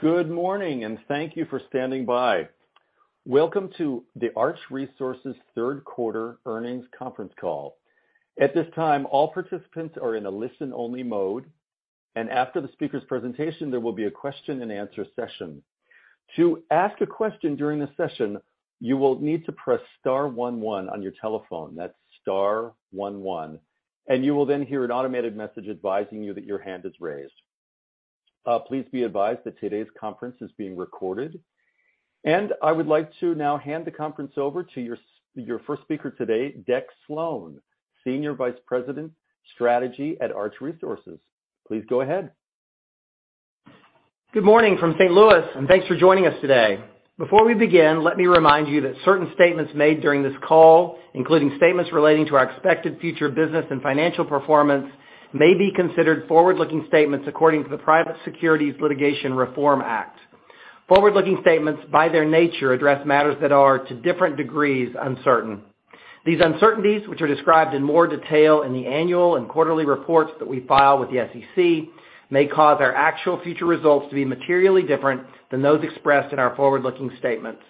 Good morning, and thank you for standing by. Welcome to the Arch Resources third quarter earnings conference call. At this time, all participants are in a listen-only mode, and after the speaker's presentation, there will be a question-and-answer session. To ask a question during the session, you will need to press star one one on your telephone. That's star one one, and you will then hear an automated message advising you that your hand is raised. Please be advised that today's conference is being recorded. I would like to now hand the conference over to your first speaker today, Deck Slone, Senior Vice President, Strategy at Arch Resources. Please go ahead. Good morning from St. Louis, and thanks for joining us today. Before we begin, let me remind you that certain statements made during this call, including statements relating to our expected future business and financial performance, may be considered forward-looking statements according to the Private Securities Litigation Reform Act. Forward-looking statements, by their nature, address matters that are, to different degrees, uncertain. These uncertainties, which are described in more detail in the annual and quarterly reports that we file with the SEC, may cause our actual future results to be materially different than those expressed in our forward-looking statements.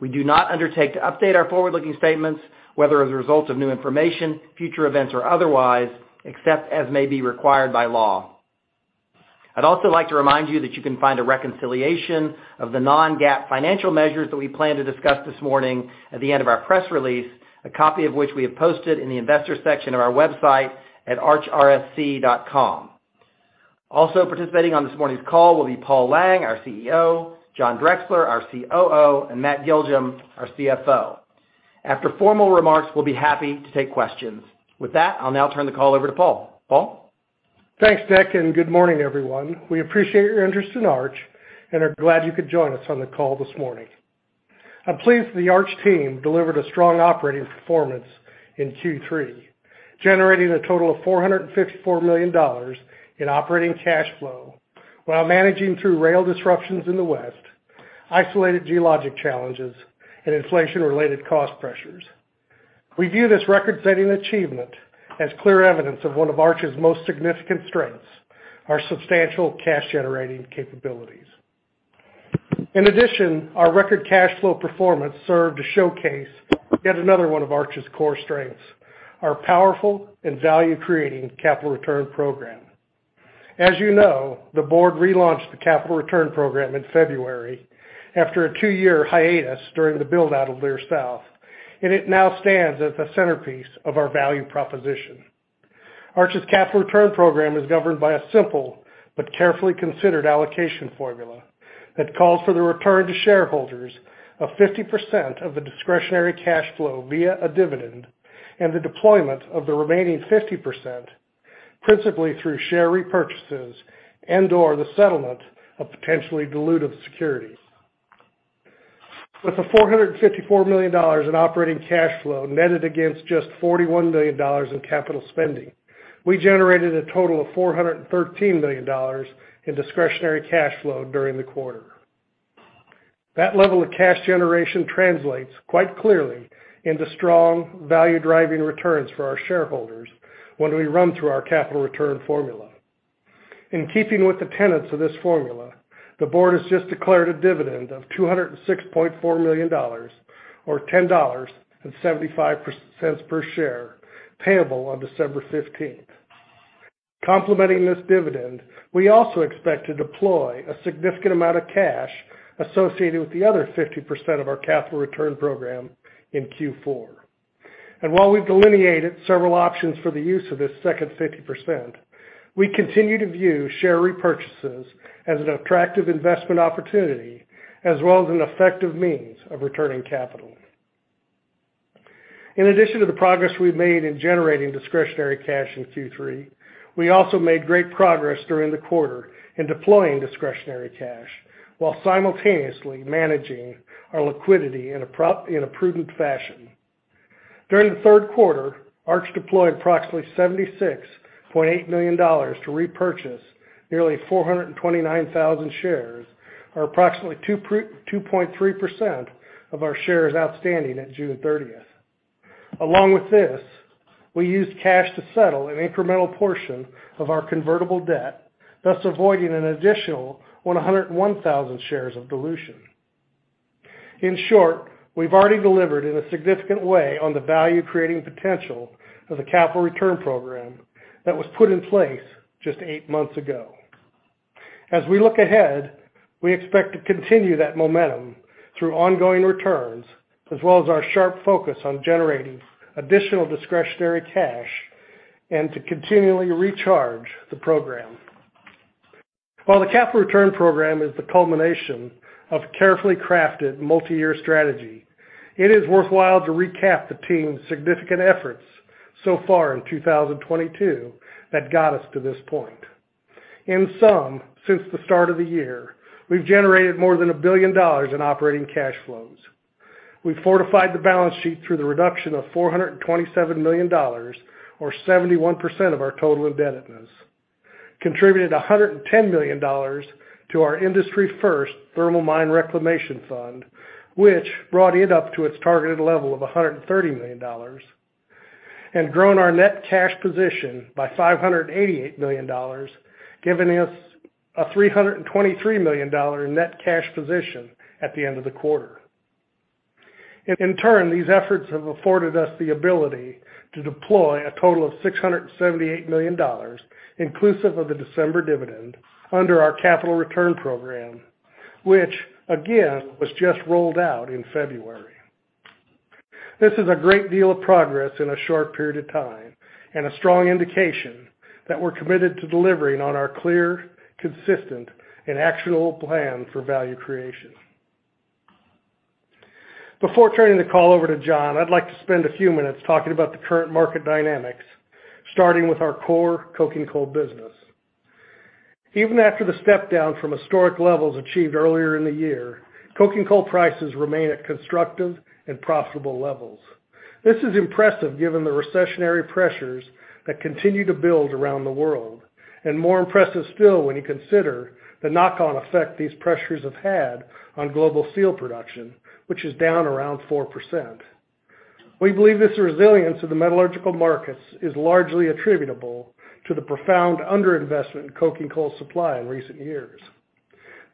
We do not undertake to update our forward-looking statements, whether as a result of new information, future events, or otherwise, except as may be required by law. I'd also like to remind you that you can find a reconciliation of the Non-GAAP financial measures that we plan to discuss this morning at the end of our press release, a copy of which we have posted in the investor section of our website at archrsc.com. Also participating on this morning's call will be Paul Lang, our Chief Executive Officer, John Drexler, our Chief Operating Officer, and Matt Giljum, our Chief Financial Officer. After formal remarks, we'll be happy to take questions. With that, I'll now turn the call over to Paul. Paul? Thanks, Deck, and good morning, everyone. We appreciate your interest in Arch and are glad you could join us on the call this morning. I'm pleased the Arch team delivered a strong operating performance in Q3, generating a total of $454 million in operating cash flow while managing through rail disruptions in the West, isolated geologic challenges, and inflation-related cost pressures. We view this record-setting achievement as clear evidence of one of Arch's most significant strengths, our substantial cash-generating capabilities. In addition, our record cash flow performance served to showcase yet another one of Arch's core strengths, our powerful and value-creating capital return program. As you know, the board relaunched the capital return program in February after a two-year hiatus during the build-out of Leer South, and it now stands as the centerpiece of our value proposition. Arch's capital return program is governed by a simple but carefully considered allocation formula that calls for the return to shareholders of 50% of the discretionary cash flow via a dividend and the deployment of the remaining 50% principally through share repurchases and/or the settlement of potentially dilutive securities. With the $454 million in operating cash flow netted against just $41 million in capital spending, we generated a total of $413 million in discretionary cash flow during the quarter. That level of cash generation translates quite clearly into strong value-driving returns for our shareholders when we run through our capital return formula. In keeping with the tenets of this formula, the board has just declared a dividend of $206.4 million or $10.75 per share payable on December fifteenth. Complementing this dividend, we also expect to deploy a significant amount of cash associated with the other 50% of our capital return program in Q4. While we've delineated several options for the use of this second 50%, we continue to view share repurchases as an attractive investment opportunity as well as an effective means of returning capital. In addition to the progress we've made in generating discretionary cash in Q3, we also made great progress during the quarter in deploying discretionary cash while simultaneously managing our liquidity in a prudent fashion. During the third quarter, Arch deployed approximately $76.8 million to repurchase nearly 429,000 shares or approximately 2.3% of our shares outstanding at June thirtieth. Along with this, we used cash to settle an incremental portion of our convertible debt, thus avoiding an additional 101,000 shares of dilution. In short, we've already delivered in a significant way on the value-creating potential of the capital return program that was put in place just 8 months ago. As we look ahead, we expect to continue that momentum through ongoing returns as well as our sharp focus on generating additional discretionary cash and to continually recharge the program. While the capital return program is the culmination of carefully crafted multi-year strategy, it is worthwhile to recap the team's significant efforts so far in 2022 that got us to this point. In sum, since the start of the year, we've generated more than $1 billion in operating cash flows. We've fortified the balance sheet through the reduction of $427 million or 71% of our total indebtedness, contributed $110 million to our industry-first Thermal Mine Reclamation Fund, which brought it up to its targeted level of $130 million. Grown our net cash position by $588 million, giving us a $323 million net cash position at the end of the quarter. In turn, these efforts have afforded us the ability to deploy a total of $678 million, inclusive of the December dividend, under our capital return program, which again was just rolled out in February. This is a great deal of progress in a short period of time and a strong indication that we're committed to delivering on our clear, consistent, and actionable plan for value creation. Before turning the call over to John, I'd like to spend a few minutes talking about the current market dynamics, starting with our core coking coal business. Even after the step-down from historic levels achieved earlier in the year, coking coal prices remain at constructive and profitable levels. This is impressive given the recessionary pressures that continue to build around the world, and more impressive still when you consider the knock-on effect these pressures have had on global steel production, which is down around 4%. We believe this resilience of the metallurgical markets is largely attributable to the profound under-investment in coking coal supply in recent years.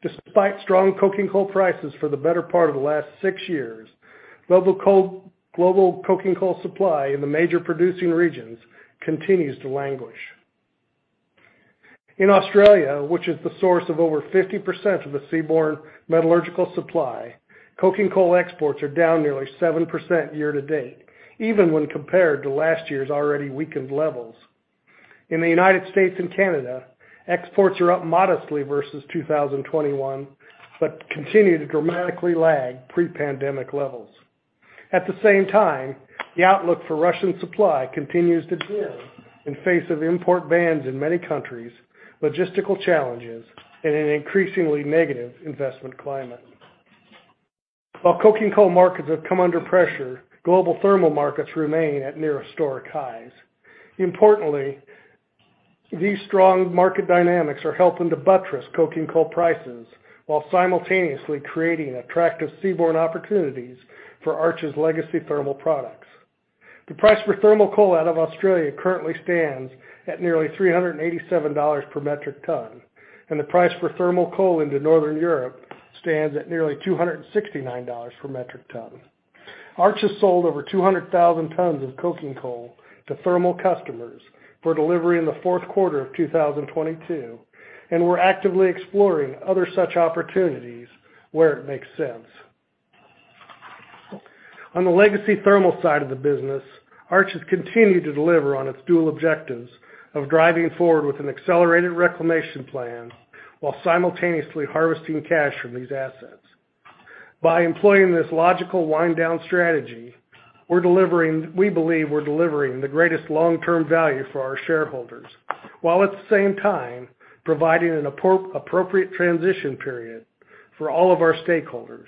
Despite strong coking coal prices for the better part of the last six years, global coking coal supply in the major producing regions continues to languish. In Australia, which is the source of over 50% of the seaborne metallurgical supply, coking coal exports are down nearly 7% year to date, even when compared to last year's already weakened levels. In the United States and Canada, exports are up modestly versus 2021, but continue to dramatically lag pre-pandemic levels. At the same time, the outlook for Russian supply continues to dim in face of import bans in many countries, logistical challenges, and an increasingly negative investment climate. While coking coal markets have come under pressure, global thermal markets remain at near historic highs. Importantly, these strong market dynamics are helping to buttress coking coal prices while simultaneously creating attractive seaborne opportunities for Arch's legacy thermal products. The price for thermal coal out of Australia currently stands at nearly $387 per metric ton, and the price for thermal coal into Northern Europe stands at nearly $269 per metric ton. Arch has sold over 200,000 tons of coking coal to thermal customers for delivery in the fourth quarter of 2022, and we're actively exploring other such opportunities where it makes sense. On the legacy thermal side of the business, Arch has continued to deliver on its dual objectives of driving forward with an accelerated reclamation plan while simultaneously harvesting cash from these assets. By employing this logical wind down strategy, we believe we're delivering the greatest long-term value for our shareholders, while at the same time providing an appropriate transition period for all of our stakeholders,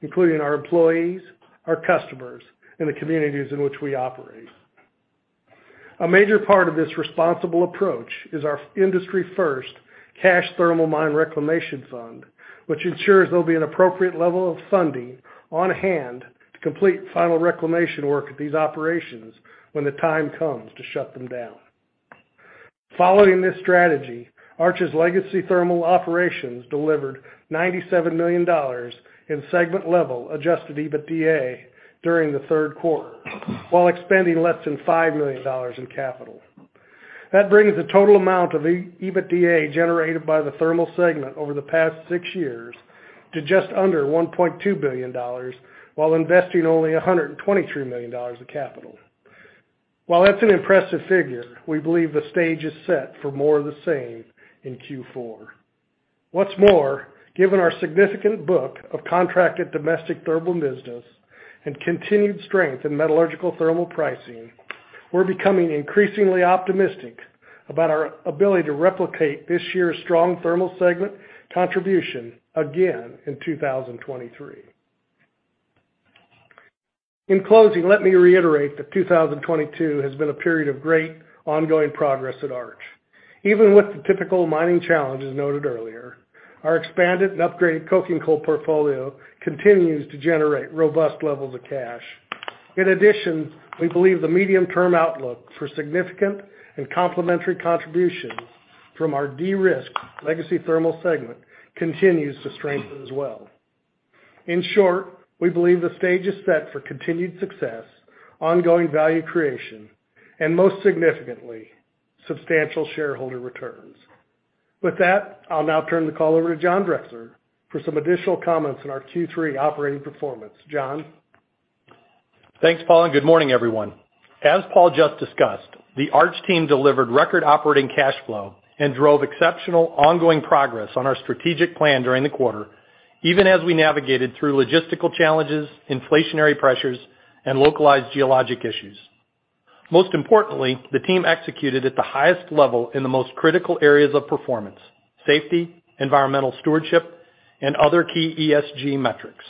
including our employees, our customers, and the communities in which we operate. A major part of this responsible approach is our industry-first cash Thermal Mine Reclamation Fund, which ensures there'll be an appropriate level of funding on hand to complete final reclamation work at these operations when the time comes to shut them down. Following this strategy, Arch's legacy thermal operations delivered $97 million in segment-level adjusted EBITDA during the third quarter while expending less than $5 million in capital. That brings the total amount of EBITDA generated by the thermal segment over the past six years to just under $1.2 billion while investing only $123 million of capital. While that's an impressive figure, we believe the stage is set for more of the same in Q4. What's more, given our significant book of contracted domestic thermal business and continued strength in metallurgical thermal pricing, we're becoming increasingly optimistic about our ability to replicate this year's strong thermal segment contribution again in 2023. In closing, let me reiterate that 2022 has been a period of great ongoing progress at Arch. Even with the typical mining challenges noted earlier, our expanded and upgraded coking coal portfolio continues to generate robust levels of cash. In addition, we believe the medium-term outlook for significant and complementary contributions from our de-risked legacy thermal segment continues to strengthen as well. In short, we believe the stage is set for continued success, ongoing value creation, and most significantly, substantial shareholder returns. With that, I'll now turn the call over to John Drexler for some additional comments on our Q3 operating performance. John? Thanks, Paul, and good morning, everyone. As Paul just discussed, the Arch team delivered record operating cash flow and drove exceptional ongoing progress on our strategic plan during the quarter, even as we navigated through logistical challenges, inflationary pressures, and localized geologic issues. Most importantly, the team executed at the highest level in the most critical areas of performance, safety, environmental stewardship, and other key ESG metrics.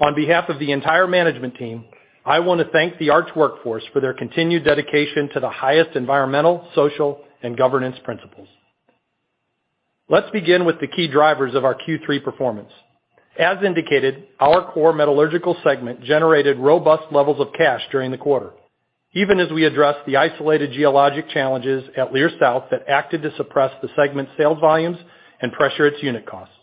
On behalf of the entire management team, I want to thank the Arch workforce for their continued dedication to the highest environmental, social, and governance principles. Let's begin with the key drivers of our Q3 performance. As indicated, our core metallurgical segment generated robust levels of cash during the quarter, even as we address the isolated geologic challenges at Leer South that acted to suppress the segment sales volumes and pressure its unit costs.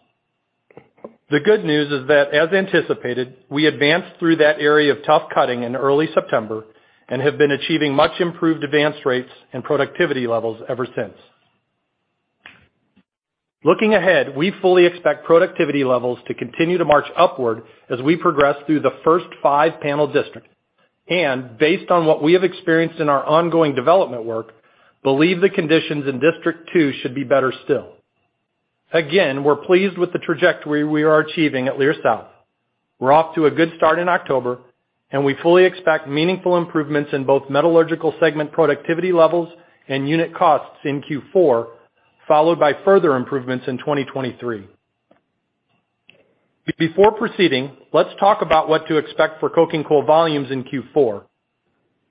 The good news is that, as anticipated, we advanced through that area of tough cutting in early September and have been achieving much improved advanced rates and productivity levels ever since. Looking ahead, we fully expect productivity levels to continue to march upward as we progress through the first five panel districts. Based on what we have experienced in our ongoing development work, believe the conditions in District Two should be better still. Again, we're pleased with the trajectory we are achieving at Leer South. We're off to a good start in October, and we fully expect meaningful improvements in both metallurgical segment productivity levels and unit costs in Q4, followed by further improvements in 2023. Before proceeding, let's talk about what to expect for coking coal volumes in Q4.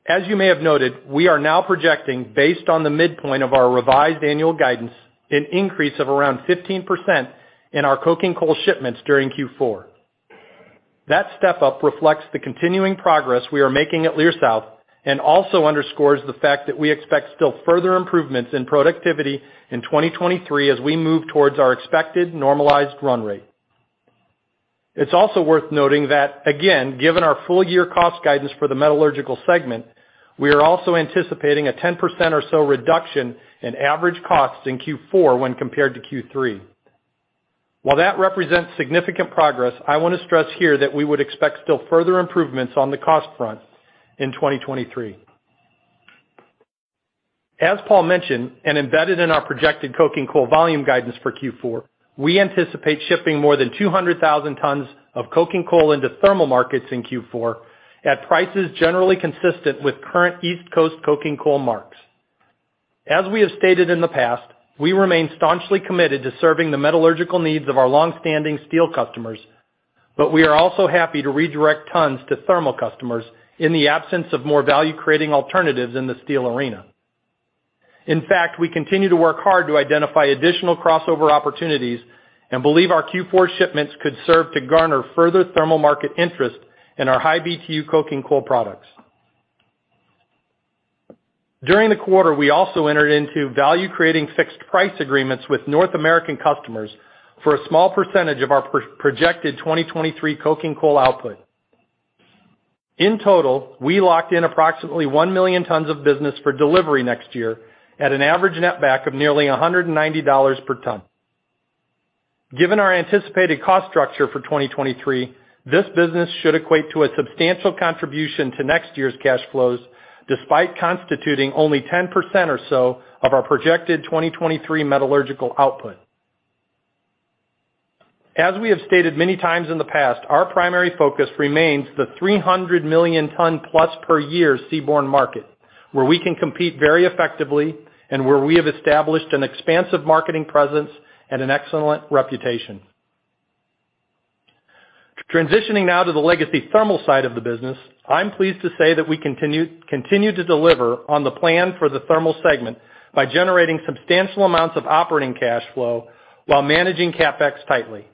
As you may have noted, we are now projecting, based on the midpoint of our revised annual guidance, an increase of around 15% in our coking coal shipments during Q4. That step up reflects the continuing progress we are making at Leer South and also underscores the fact that we expect still further improvements in productivity in 2023 as we move towards our expected normalized run rate. It's also worth noting that, again, given our full year cost guidance for the metallurgical segment, we are also anticipating a 10% or so reduction in average costs in Q4 when compared to Q3. While that represents significant progress, I wanna stress here that we would expect still further improvements on the cost front in 2023. As Paul mentioned, and embedded in our projected coking coal volume guidance for Q4, we anticipate shipping more than 200,000 tons of coking coal into thermal markets in Q4 at prices generally consistent with current East Coast coking coal marks. As we have stated in the past, we remain staunchly committed to serving the metallurgical needs of our long-standing steel customers, but we are also happy to redirect tons to thermal customers in the absence of more value-creating alternatives in the steel arena. In fact, we continue to work hard to identify additional crossover opportunities and believe our Q4 shipments could serve to garner further thermal market interest in our high BTU coking coal products. During the quarter, we also entered into value-creating fixed price agreements with North American customers for a small percentage of our projected 2023 coking coal output. In total, we locked in approximately 1 million tons of business for delivery next year at an average net back of nearly $190 per ton. Given our anticipated cost structure for 2023, this business should equate to a substantial contribution to next year's cash flows, despite constituting only 10% or so of our projected 2023 metallurgical output. As we have stated many times in the past, our primary focus remains the 300 million ton+ per year seaborne market, where we can compete very effectively and where we have established an expansive marketing presence and an excellent reputation. Transitioning now to the legacy thermal side of the business, I'm pleased to say that we continue to deliver on the plan for the thermal segment by generating substantial amounts of operating cash flow while managing CapEx tightly.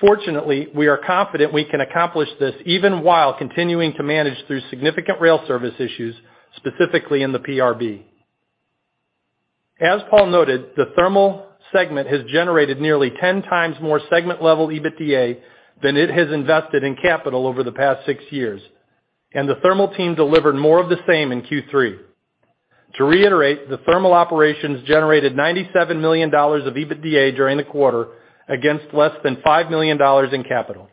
Fortunately, we are confident we can accomplish this even while continuing to manage through significant rail service issues, specifically in the PRB. As Paul noted, the thermal segment has generated nearly 10x more segment-level EBITDA than it has invested in capital over the past six years, and the thermal team delivered more of the same in Q3. To reiterate, the thermal operations generated $97 million of EBITDA during the quarter against less than $5 million in capital.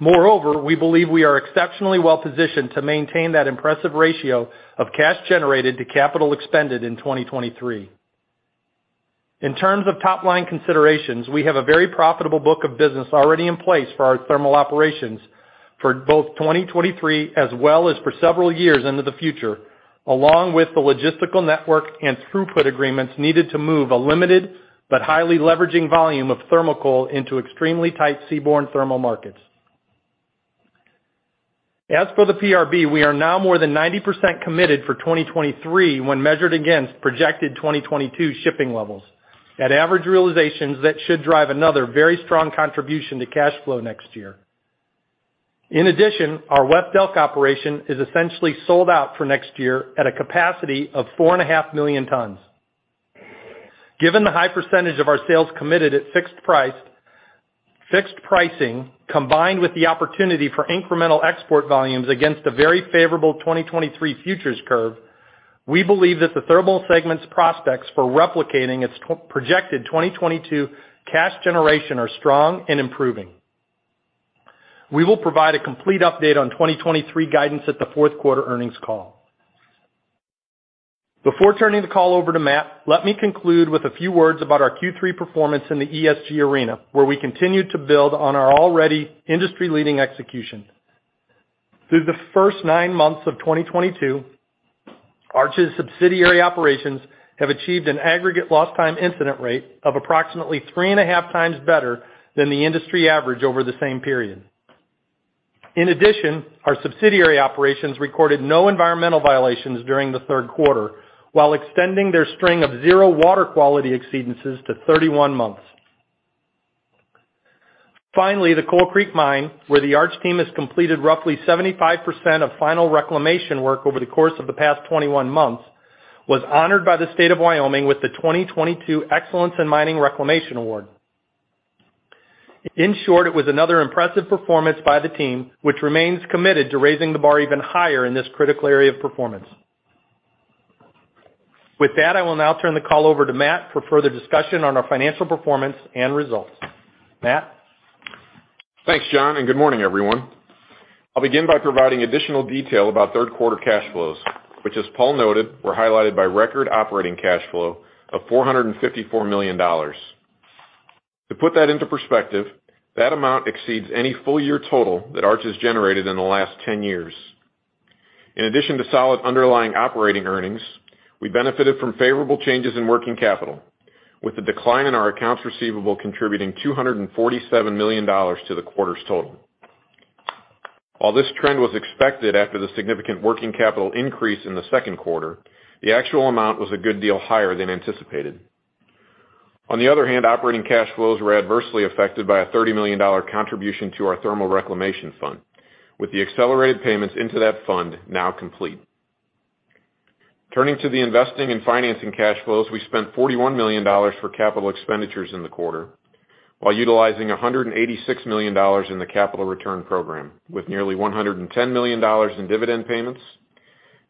Moreover, we believe we are exceptionally well-positioned to maintain that impressive ratio of cash generated to capital expended in 2023. In terms of top-line considerations, we have a very profitable book of business already in place for our thermal operations for both 2023 as well as for several years into the future, along with the logistical network and throughput agreements needed to move a limited but highly leveraging volume of thermal coal into extremely tight seaborne thermal markets. As for the PRB, we are now more than 90% committed for 2023 when measured against projected 2022 shipping levels at average realizations that should drive another very strong contribution to cash flow next year. In addition, our West Elk operation is essentially sold out for next year at a capacity of 4.5 million tons. Given the high percentage of our sales committed at fixed price, fixed pricing, combined with the opportunity for incremental export volumes against a very favorable 2023 futures curve, we believe that the thermal segment's prospects for replicating its projected 2022 cash generation are strong and improving. We will provide a complete update on 2023 guidance at the fourth quarter earnings call. Before turning the call over to Matt, let me conclude with a few words about our Q3 performance in the ESG arena, where we continue to build on our already industry-leading execution. Through the first nine months of 2022, Arch's subsidiary operations have achieved an aggregate lost time incident rate of approximately 3.5x better than the industry average over the same period. In addition, our subsidiary operations recorded no environmental violations during the third quarter, while extending their string of zero water quality exceedances to 31 months. Finally, the Coal Creek mine, where the Arch team has completed roughly 75% of final reclamation work over the course of the past 21 months, was honored by the state of Wyoming with the 2022 Excellence in Mining Reclamation Award. In short, it was another impressive performance by the team, which remains committed to raising the bar even higher in this critical area of performance. With that, I will now turn the call over to Matt for further discussion on our financial performance and results. Matt? Thanks, John, and good morning, everyone. I'll begin by providing additional detail about third quarter cash flows, which as Paul noted, were highlighted by record operating cash flow of $454 million. To put that into perspective, that amount exceeds any full year total that Arch has generated in the last 10 years. In addition to solid underlying operating earnings, we benefited from favorable changes in working capital, with the decline in our accounts receivable contributing $247 million to the quarter's total. While this trend was expected after the significant working capital increase in the second quarter, the actual amount was a good deal higher than anticipated. On the other hand, operating cash flows were adversely affected by a $30 million contribution to our thermal reclamation fund, with the accelerated payments into that fund now complete. Turning to the investing and financing cash flows, we spent $41 million for capital expenditures in the quarter while utilizing $186 million in the capital return program, with nearly $110 million in dividend payments,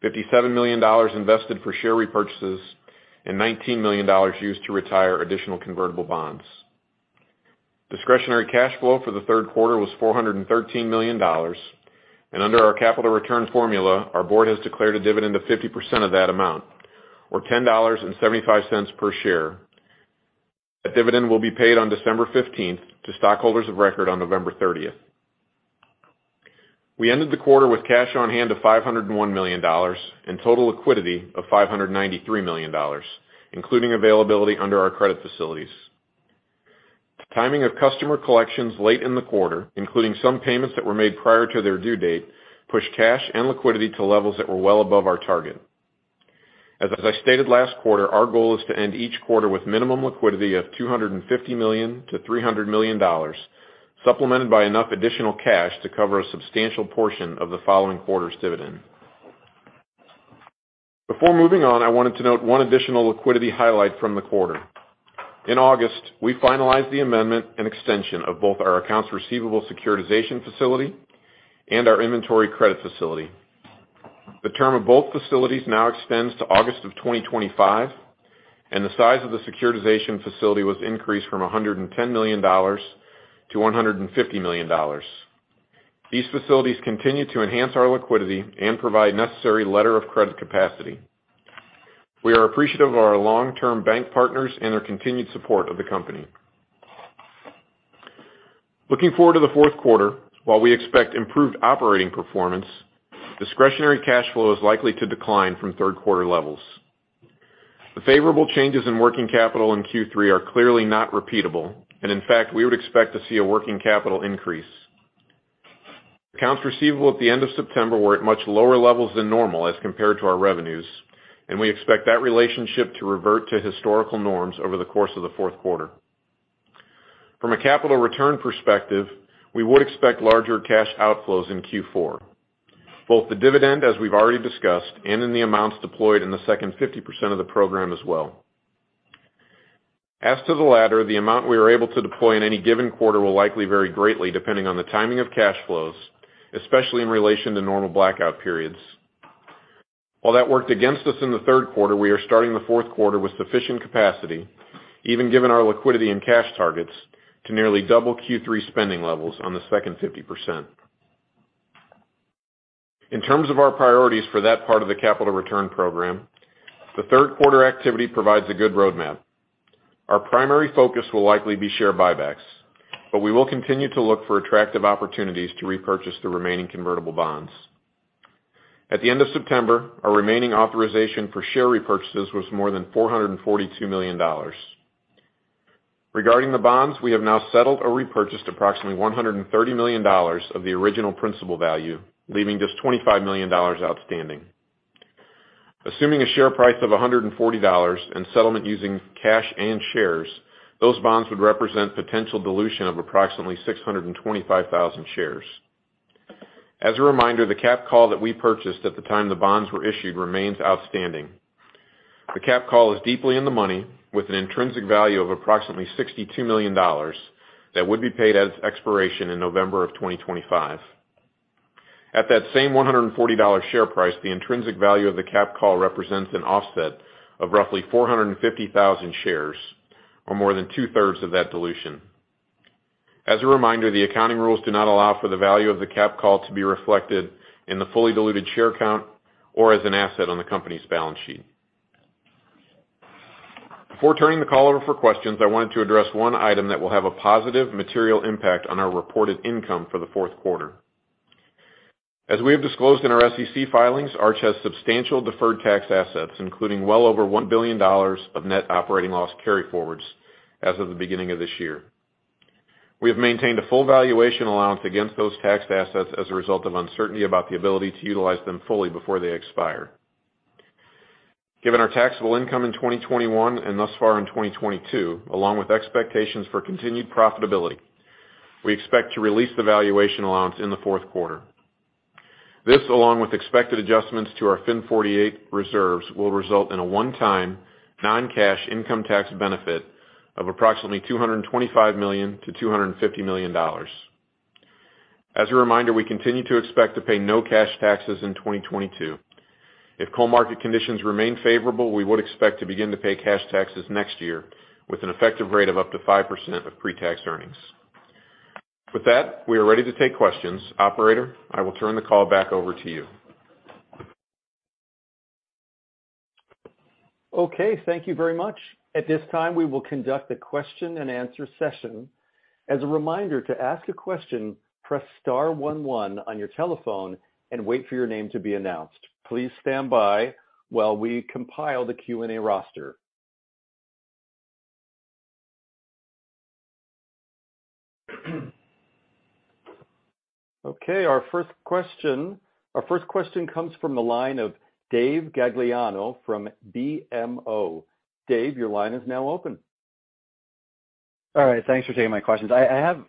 $57 million invested for share repurchases, and $19 million used to retire additional convertible bonds. Discretionary cash flow for the third quarter was $413 million. Under our capital returns formula, our board has declared a dividend of 50% of that amount, or $10.75 per share. That dividend will be paid on December fifteenth to stockholders of record on November thirtieth. We ended the quarter with cash on hand of $501 million and total liquidity of $593 million, including availability under our credit facilities. The timing of customer collections late in the quarter, including some payments that were made prior to their due date, pushed cash and liquidity to levels that were well above our target. As I stated last quarter, our goal is to end each quarter with minimum liquidity of $250 million-$300 million, supplemented by enough additional cash to cover a substantial portion of the following quarter's dividend. Before moving on, I wanted to note one additional liquidity highlight from the quarter. In August, we finalized the amendment and extension of both our accounts receivable securitization facility and our inventory credit facility. The term of both facilities now extends to August 2025, and the size of the securitization facility was increased from $110 million - $150 million. These facilities continue to enhance our liquidity and provide necessary letter of credit capacity. We are appreciative of our long-term bank partners and their continued support of the company. Looking forward to the fourth quarter, while we expect improved operating performance, discretionary cash flow is likely to decline from third quarter levels. The favorable changes in working capital in Q3 are clearly not repeatable, and in fact, we would expect to see a working capital increase. Accounts receivable at the end of September were at much lower levels than normal as compared to our revenues, and we expect that relationship to revert to historical norms over the course of the fourth quarter. From a capital return perspective, we would expect larger cash outflows in Q4, both the dividend, as we've already discussed, and in the amounts deployed in the second 50% of the program as well. As to the latter, the amount we are able to deploy in any given quarter will likely vary greatly depending on the timing of cash flows, especially in relation to normal blackout periods. While that worked against us in the third quarter, we are starting the fourth quarter with sufficient capacity, even given our liquidity and cash targets, to nearly double Q3 spending levels on the second 50%. In terms of our priorities for that part of the capital return program, the third quarter activity provides a good roadmap. Our primary focus will likely be share buybacks, but we will continue to look for attractive opportunities to repurchase the remaining convertible bonds. At the end of September, our remaining authorization for share repurchases was more than $442 million. Regarding the bonds, we have now settled or repurchased approximately $130 million of the original principal value, leaving just $25 million outstanding. Assuming a share price of $140 and settlement using cash and shares, those bonds would represent potential dilution of approximately 625,000 shares. As a reminder, the capital call that we purchased at the time the bonds were issued remains outstanding. The capital call is deeply in the money with an intrinsic value of approximately $62 million that would be paid at its expiration in November 2025. At that same $140 share price, the intrinsic value of the capital call represents an offset of roughly 450,000 shares or more than two-thirds of that dilution. As a reminder, the accounting rules do not allow for the value of the capital call to be reflected in the fully diluted share count or as an asset on the company's balance sheet. Before turning the call over for questions, I wanted to address one item that will have a positive material impact on our reported income for the fourth quarter. As we have disclosed in our SEC filings, Arch has substantial deferred tax assets, including well over $1 billion of net operating loss carryforwards as of the beginning of this year. We have maintained a full valuation allowance against those tax assets as a result of uncertainty about the ability to utilize them fully before they expire. Given our taxable income in 2021 and thus far in 2022, along with expectations for continued profitability, we expect to release the valuation allowance in the fourth quarter. This, along with expected adjustments to our FIN 48 reserves, will result in a one-time non-cash income tax benefit of approximately $225 million-$250 million. As a reminder, we continue to expect to pay no cash taxes in 2022. If coal market conditions remain favorable, we would expect to begin to pay cash taxes next year with an effective rate of up to 5% of pre-tax earnings. With that, we are ready to take questions. Operator, I will turn the call back over to you. Okay. Thank you very much. At this time, we will conduct a question and answer session. As a reminder, to ask a question, press star one one on your telephone and wait for your name to be announced. Please stand by while we compile the Q&A roster. Okay. Our first question comes from the line of David Gagliano from BMO. Dave, your line is now open. All right. Thanks for taking my questions. I have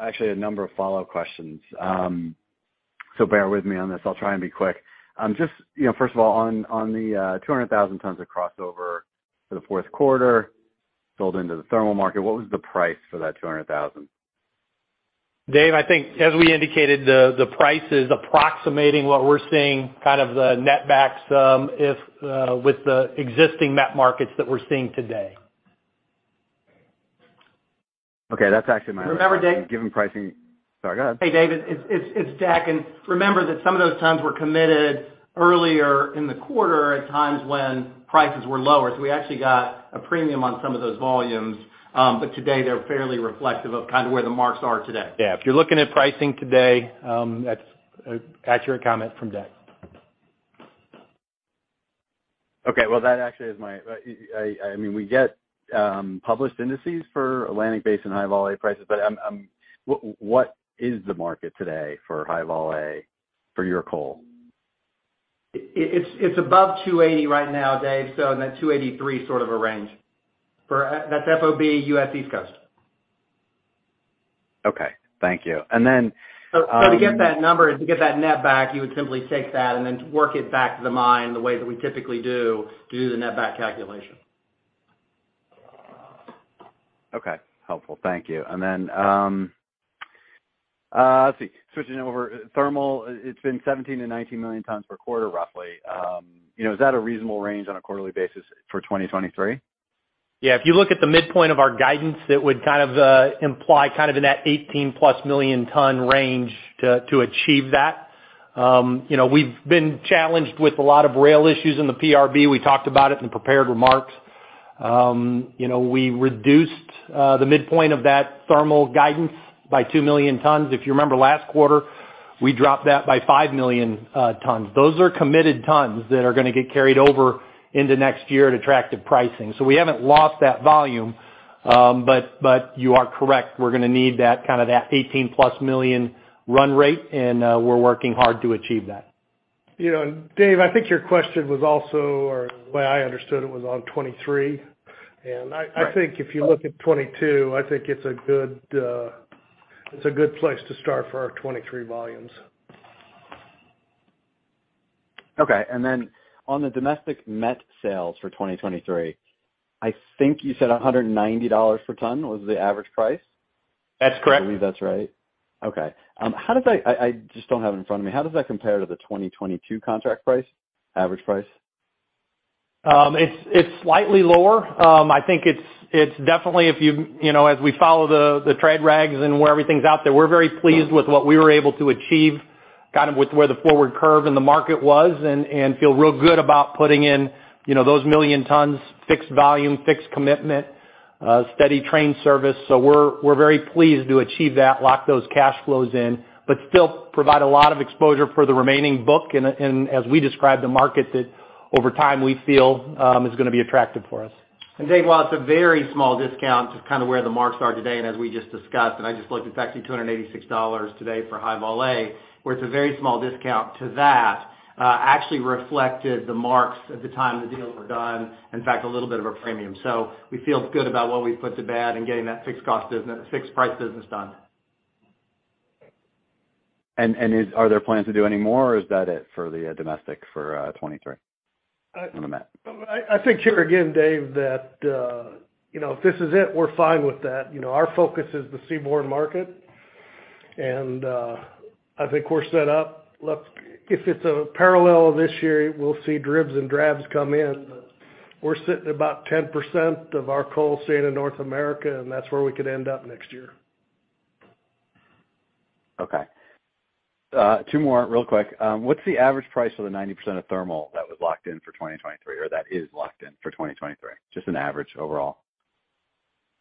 actually a number of follow-up questions. So bear with me on this. I'll try and be quick. Just, you know, first of all, on the 200,000 tons of crossover for the fourth quarter sold into the thermal market, what was the price for that 200,000? Dave, I think as we indicated, the price is approximating what we're seeing, kind of the net backs, with the existing met markets that we're seeing today. Okay. That's actually Remember, Dave. Sorry. Go ahead. Hey, David, it's Deck. Remember that some of those tons were committed earlier in the quarter at times when prices were lower. We actually got a premium on some of those volumes. Today they're fairly reflective of kind of where the marks are today. Yeah. If you're looking at pricing today, that's an accurate comment from Deck Slone. Well, actually, I mean, we get published indices for Atlantic Basin high-vol A prices, but what is the market today for high-vol A for your coal? It's above $280 right now, Dave. In that $283 sort of a range. That's FOB U.S. East Coast. Okay. Thank you. To get that number and to get that net back, you would simply take that and then work it back to the mine the way that we typically do to do the net back calculation. Okay. Helpful. Thank you. Thermal, it's been 17-19 million tons per quarter, roughly. You know, is that a reasonable range on a quarterly basis for 2023? Yeah. If you look at the midpoint of our guidance, that would kind of imply kind of in that 18+ million ton range to achieve that. You know, we've been challenged with a lot of rail issues in the PRB. We talked about it in prepared remarks. You know, we reduced the midpoint of that thermal guidance by 2 million tons. If you remember, last quarter, we dropped that by 5 million tons. Those are committed tons that are gonna get carried over into next year at attractive pricing. So we haven't lost that volume. But you are correct, we're gonna need that kind of that 18+ million run rate, and we're working hard to achieve that. You know, Dave, I think your question was also, or the way I understood it, was on 2023. Right. I think if you look at 2022, I think it's a good place to start for our 2023 volumes. Okay. On the domestic met sales for 2023, I think you said $190 per ton was the average price. That's correct. I believe that's right. Okay. I just don't have it in front of me. How does that compare to the 2022 contract price, average price? It's slightly lower. I think it's definitely. You know, as we follow the trade rags and where everything's out there, we're very pleased with what we were able to achieve, kind of with where the forward curve in the market was and feel real good about putting in, you know, those 1 million tons, fixed volume, fixed commitment, steady train service. We're very pleased to achieve that, lock those cash flows in, but still provide a lot of exposure for the remaining book and as we describe the market that over time we feel is gonna be attractive for us. Dave, while it's a very small discount to kind of where the marks are today, and as we just discussed, and I just looked, it's actually $286 today for high-vol A, where it's a very small discount to that, actually reflected the marks at the time the deals were done, in fact, a little bit of a premium. We feel good about what we've put to bed and getting that fixed-cost business, fixed-price business done. Are there plans to do any more, or is that it for the domestic 2023 on the met? I think here again, Dave, that you know, if this is it, we're fine with that. You know, our focus is the seaborne market. I think we're set up. If it's a parallel this year, we'll see dribs and drabs come in. We're sitting at about 10% of our coal staying in North America, and that's where we could end up next year. Okay. Two more real quick. What's the average price of the 90% of thermal that was locked in for 2023, or that is locked in for 2023? Just an average overall.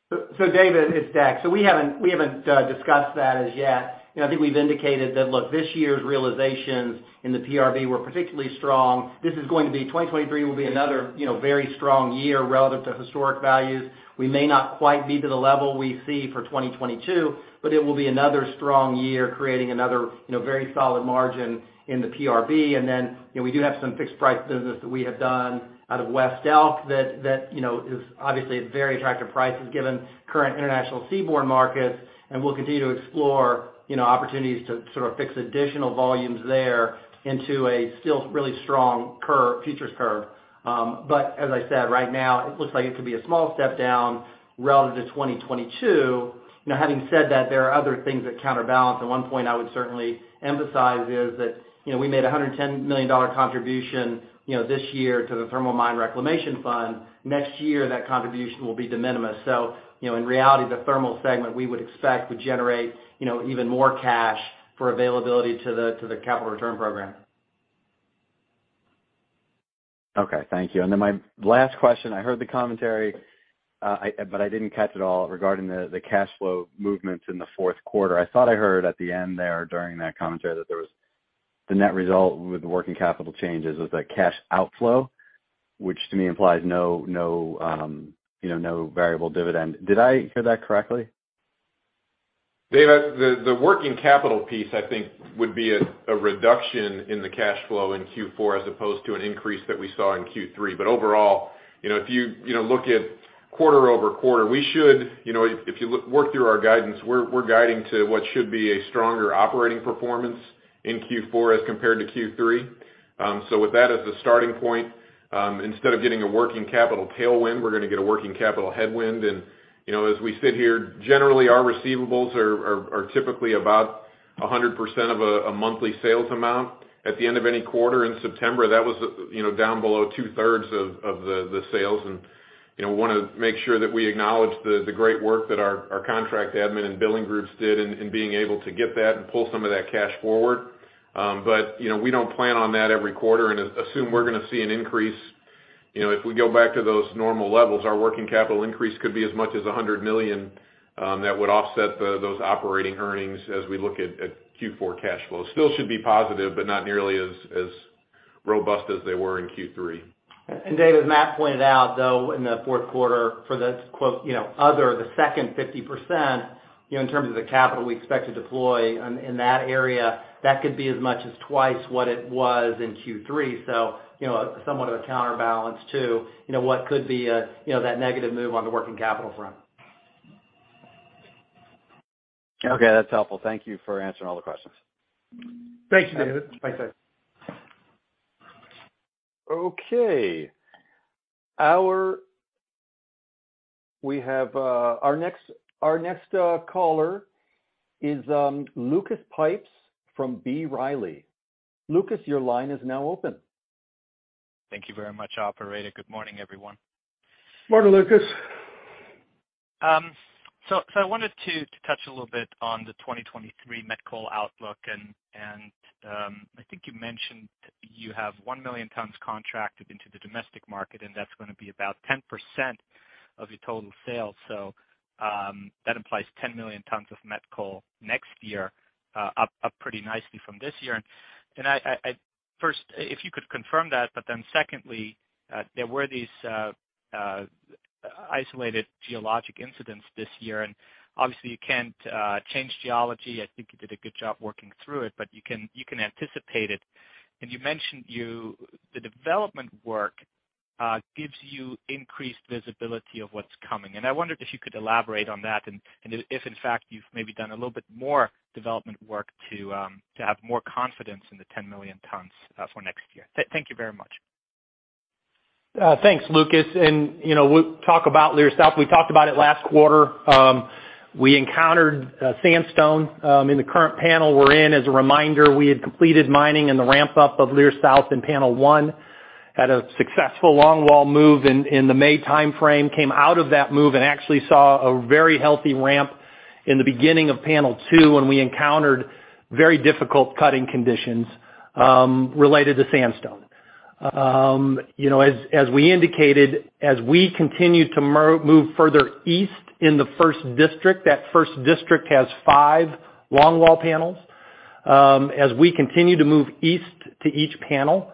David, it's Dak. We haven't discussed that as yet. You know, I think we've indicated that, look, this year's realizations in the PRB were particularly strong. 2023 will be another, you know, very strong year relative to historic values. We may not quite be to the level we see for 2022, but it will be another strong year creating another, you know, very solid margin in the PRB. And then, you know, we do have some fixed price business that we have done out of West Elk that, you know, is obviously at very attractive prices given current international seaborne markets. And we'll continue to explore, you know, opportunities to sort of fix additional volumes there into a still really strong current futures curve. As I said, right now it looks like it could be a small step down relative to 2022. You know, having said that, there are other things that counterbalance. One point I would certainly emphasize is that, you know, we made a $110 million contribution, you know, this year to the Thermal Mine Reclamation Fund. Next year, that contribution will be de minimis. You know, in reality, the thermal segment we would expect would generate, you know, even more cash for availability to the capital return program. Okay. Thank you. My last question. I heard the commentary, but I didn't catch it all, regarding the cash flow movements in the fourth quarter. I thought I heard at the end there during that commentary that there was the net result with working capital changes was a cash outflow, which to me implies no, you know, no variable dividend. Did I hear that correctly? David, the working capital piece, I think would be a reduction in the cash flow in Q4 as opposed to an increase that we saw in Q3. Overall, you know, if you look at quarter-over-quarter, we should, you know, work through our guidance, we're guiding to what should be a stronger operating performance in Q4 as compared to Q3. With that as the starting point, instead of getting a working capital tailwind, we're gonna get a working capital headwind. You know, as we sit here, generally, our receivables are typically about 100% of a monthly sales amount. At the end of any quarter in September, that was, you know, down below two-thirds of the sales. You know, wanna make sure that we acknowledge the great work that our contract admin and billing groups did in being able to get that and pull some of that cash forward. You know, we don't plan on that every quarter and assume we're gonna see an increase. You know, if we go back to those normal levels, our working capital increase could be as much as $100 million, that would offset those operating earnings as we look at Q4 cash flows. Still should be positive, but not nearly as robust as they were in Q3. David, as Matt pointed out, though, in the fourth quarter, the second 50%, you know, in terms of the capital we expect to deploy in that area, that could be as much as twice what it was in Q3. You know, somewhat of a counterbalance to, you know, what could be a, you know, that negative move on the working capital front. Okay. That's helpful. Thank you for answering all the questions. Thank you, David. Bye-bye. Okay. We have our next caller, Lucas Pipes from B. Riley. Lucas, your line is now open. Thank you very much, operator. Good morning, everyone. Morning, Lucas. I wanted to touch a little bit on the 2023 met coal outlook and I think you mentioned you have 1 million tons contracted into the domestic market, and that's gonna be about 10% of your total sales. That implies 10 million tons of met coal next year, up pretty nicely from this year. First, if you could confirm that, but then secondly, there were these isolated geologic incidents this year, and obviously you can't change geology. I think you did a good job working through it, but you can anticipate it. You mentioned the development work gives you increased visibility of what's coming. I wondered if you could elaborate on that and if in fact you've maybe done a little bit more development work to have more confidence in the 10 million tons for next year. Thank you very much. Thanks, Lucas. You know, we'll talk about Leer South. We talked about it last quarter. We encountered sandstone in the current panel we're in. As a reminder, we had completed mining in the ramp-up of Leer South in panel one. Had a successful long wall move in the May timeframe. Came out of that move and actually saw a very healthy ramp in the beginning of panel two when we encountered very difficult cutting conditions related to sandstone. You know, as we indicated, as we continue to move further east in the first district, that first district has five long wall panels. As we continue to move east to each panel,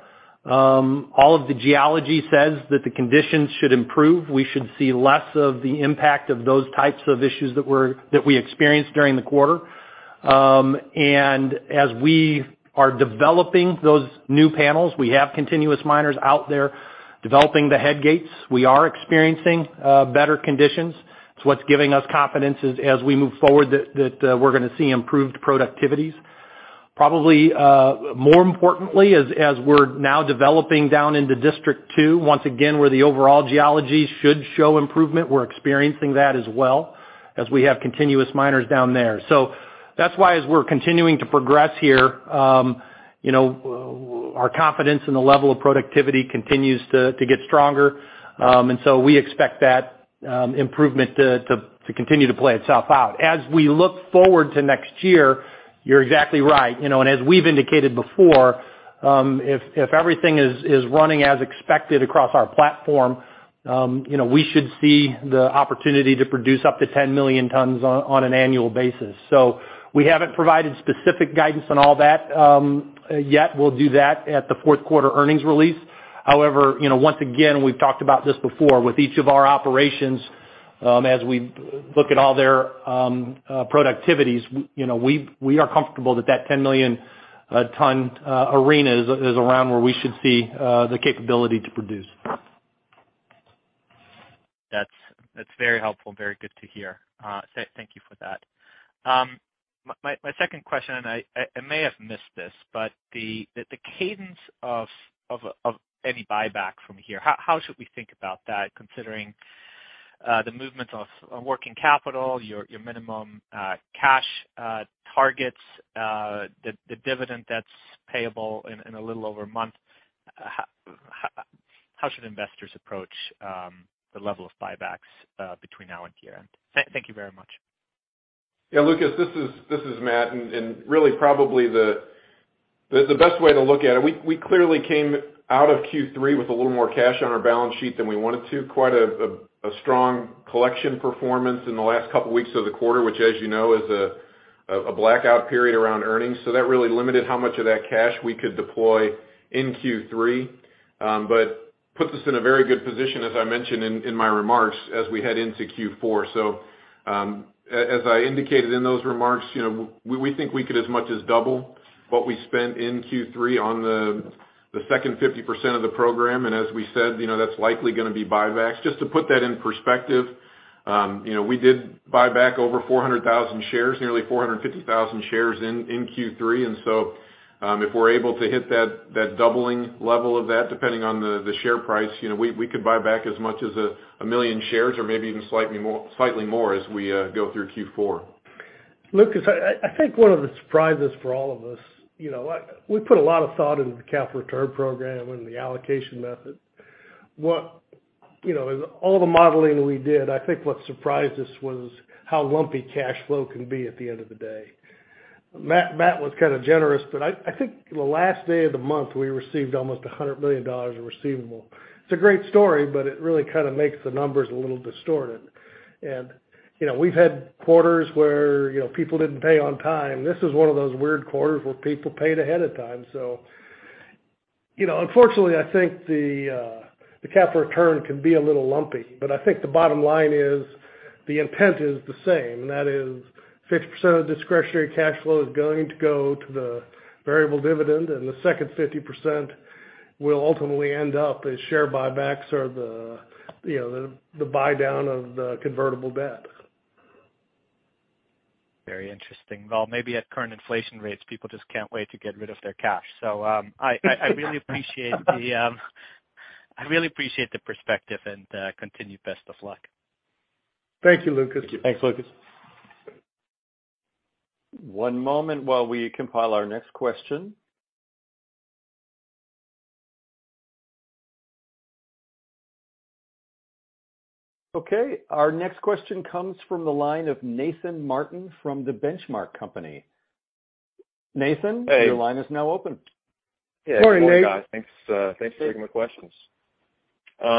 all of the geology says that the conditions should improve. We should see less of the impact of those types of issues that we experienced during the quarter. As we are developing those new panels, we have continuous miners out there developing the head gates. We are experiencing better conditions. It's what's giving us confidence as we move forward that we're gonna see improved productivities. Probably more importantly, as we're now developing down into district two, once again where the overall geology should show improvement, we're experiencing that as well as we have continuous miners down there. So that's why as we're continuing to progress here, you know, our confidence in the level of productivity continues to get stronger. We expect that improvement to continue to play itself out. As we look forward to next year. You're exactly right. You know, as we've indicated before, if everything is running as expected across our platform, you know, we should see the opportunity to produce up to 10 million tons on an annual basis. We haven't provided specific guidance on all that, yet. We'll do that at the fourth quarter earnings release. However, you know, once again, we've talked about this before, with each of our operations, as we look at all their productivities, you know, we are comfortable that that 10 million ton arena is around where we should see the capability to produce. That's very helpful and very good to hear. Thank you for that. My second question, I may have missed this, but the cadence of any buyback from here, how should we think about that considering the movements of working capital, your minimum cash targets, the dividend that's payable in a little over a month? How should investors approach the level of buybacks between now and year-end? Thank you very much. Yeah, Lucas, this is Matt. Really probably the best way to look at it, we clearly came out of Q3 with a little more cash on our balance sheet than we wanted to. Quite a strong collection performance in the last couple weeks of the quarter, which, as you know, is a blackout period around earnings. That really limited how much of that cash we could deploy in Q3. But puts us in a very good position, as I mentioned in my remarks, as we head into Q4. As I indicated in those remarks, you know, we think we could as much as double what we spent in Q3 on the second 50% of the program. As we said, you know, that's likely gonna be buybacks. Just to put that in perspective, you know, we did buy back over 400,000 shares, nearly 450,000 shares in Q3. If we're able to hit that doubling level of that, depending on the share price, you know, we could buy back as much as 1 million shares or maybe even slightly more as we go through Q4. Lucas, I think one of the surprises for all of us, you know, we put a lot of thought into the capital return program and the allocation method. What, you know, in all the modeling we did, I think what surprised us was how lumpy cash flow can be at the end of the day. Matt was kind of generous, but I think the last day of the month, we received almost $100 million in receivables. It's a great story, but it really kind of makes the numbers a little distorted. You know, we've had quarters where, you know, people didn't pay on time. This is one of those weird quarters where people paid ahead of time. You know, unfortunately, I think the capital return can be a little lumpy, but I think the bottom line is the intent is the same. That is 60% of discretionary cash flow is going to go to the variable dividend, and the second 50% will ultimately end up as share buybacks or the, you know, the buy down of the convertible debt. Very interesting. Well, maybe at current inflation rates, people just can't wait to get rid of their cash. I really appreciate the perspective and continued best of luck. Thank you, Lucas. Thanks, Lucas. One moment while we compile our next question. Okay. Our next question comes from the line of Nathan Martin from The Benchmark Company. Nathan- Hey. Your line is now open. Morning, Nate. Yeah. Good morning, guys. Thanks. Thanks for taking my questions. You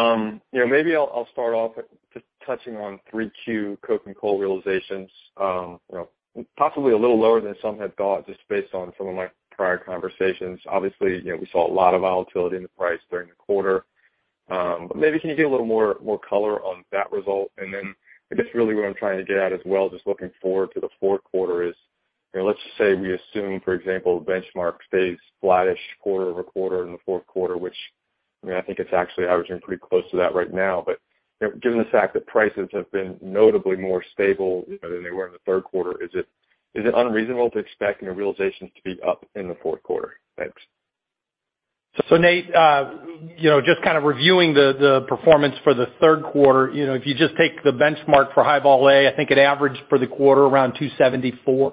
know, maybe I'll start off just touching on 3Q coking coal realizations. You know, possibly a little lower than some had thought, just based on some of my prior conversations. Obviously, you know, we saw a lot of volatility in the price during the quarter. But maybe can you give a little more color on that result? Then I guess really what I'm trying to get at as well, just looking forward to the fourth quarter is, you know, let's just say we assume, for example, Benchmark stays flattish quarter over quarter in the fourth quarter, which, I mean, I think it's actually averaging pretty close to that right now. You know, given the fact that prices have been notably more stable than they were in the third quarter, is it unreasonable to expect, you know, realizations to be up in the fourth quarter? Thanks. Nate, you know, just kind of reviewing the performance for the third quarter. You know, if you just take the benchmark for High-Vol A, I think it averaged for the quarter around 274.